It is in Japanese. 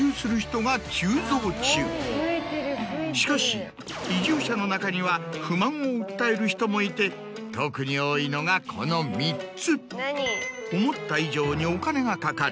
しかし移住者の中には不満を訴える人もいて特に多いのがこの３つ。